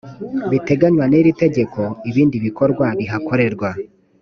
biteganywa n iri tegeko ibindi bikorwa bihakorerwa